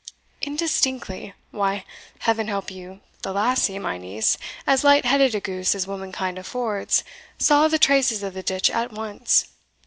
Indistinctly! why, Heaven help you, the lassie, my niece, as light headed a goose as womankind affords, saw the traces of the ditch at once.